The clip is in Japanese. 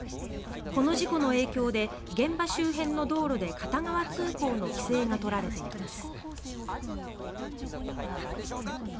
この事故の影響で現場周辺の道路で片側通行の規制がとられています。